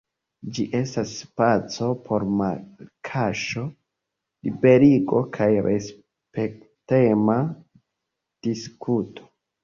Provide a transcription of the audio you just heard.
Ĝi estas spaco por malkaŝo, liberigo kaj respektema diskuto.